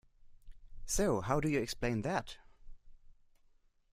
So, how do you explain that?